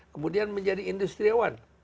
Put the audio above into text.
kemudian menjadi industriawan